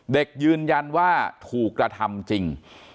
เด็กยืนยันว่าถูกกระทำจริง